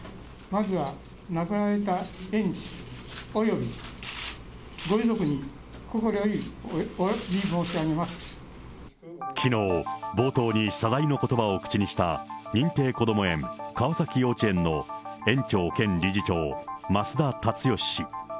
まずは亡くなられた園児、およびご遺族に、きのう、冒頭に謝罪のことばを口にした認定こども園、川崎幼稚園の園長兼理事長、増田立義氏。